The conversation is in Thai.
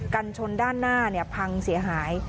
กันชนด้านหน้าพังเสียหาย